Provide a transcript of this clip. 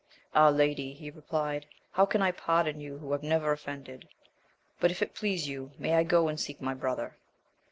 Ah, lady, he replied, how can I pardon you who have never offended; but if it please you, may I go and seek my brother